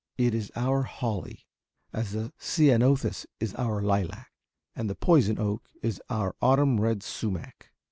It is our holly, as the Ceanothus is our lilac, and the poison oak is our autumn red sumac.